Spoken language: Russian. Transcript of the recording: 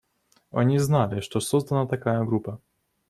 Они знали, что создана такая группа.